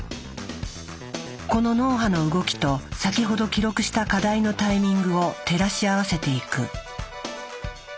この脳波の動きと先ほど記録した課題のタイミングを照らし合わせていく。